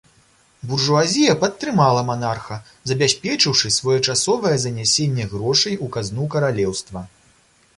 Буржуазія падтрымала манарха, забяспечыўшы своечасовае занясенне грошай у казну каралеўства.